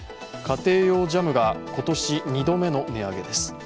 家庭用ジャムが今年２度目の値上げです。